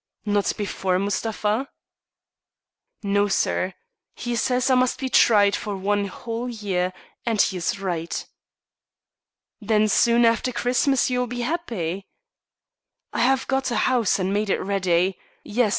"Not before, Mustapha?" "No, sir; he says I must be tried for one whole year, and he is right." "Then soon after Christmas you will be happy!" "I have got a house and made it ready. Yes.